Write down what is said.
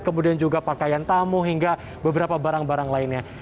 kemudian juga pakaian tamu hingga beberapa barang barang lainnya